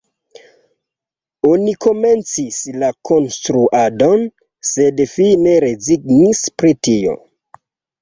Oni komencis la konstruadon, sed fine rezignis pri tio.